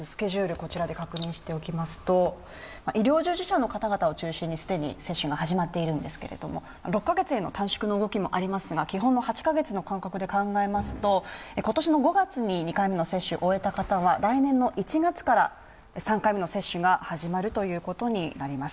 こちらで確認しておきますと医療従事者の方々を中心に既に接種が始まっているんですけれども、６カ月への短縮の動きもありますが基本の８カ月の間隔で考えますと今年の５月に２回目の接種を終えた方は来年の１月から３回目の接種が始まるということになります。